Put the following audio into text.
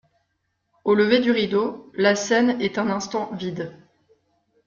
Au lever du rideau, la scène est un instant vide.